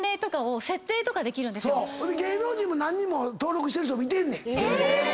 芸能人も何人も登録してる人もいてんねん。